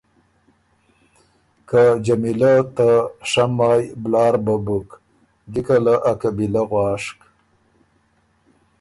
که جمیلۀ ته شۀ مای بلاربه بُک، جِکه له ا قبیلۀ غواشک۔